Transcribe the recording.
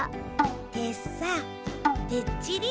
てっさてっちり。